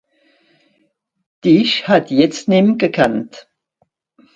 Dìch hätt ìch jetzt nemmi gekannt.